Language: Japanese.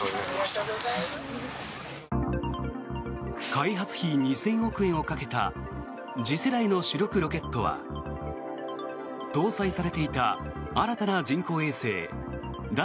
開発費２０００億円をかけた次世代の主力ロケットは搭載されていた新たな人工衛星だ